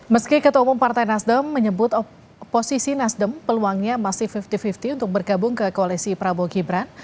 meski ketua umum partai nasdem menyebut posisi nasdem peluangnya masih lima puluh lima puluh untuk bergabung ke koalisi prabowo gibran